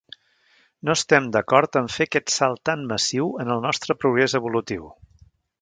No estem d"acord en fer aquest salt tan massiu en el nostre progrés evolutiu.